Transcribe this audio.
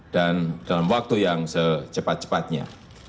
dan dalam waktu yang secepat cepatnya